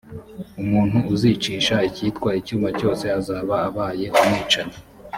umuntu uzicisha icyitwa icyuma cyose, azaba abaye umwicanyi